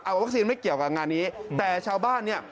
วัคซีนไม่เกี่ยวกับงานนี้แต่ชาวบ้านเนี่ย